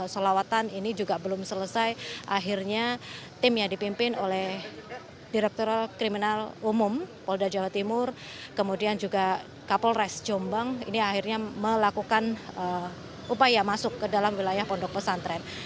solawatan ini juga belum selesai akhirnya tim yang dipimpin oleh direktur kriminal umum polda jawa timur kemudian juga kapolres jombang ini akhirnya melakukan upaya masuk ke dalam wilayah pondok pesantren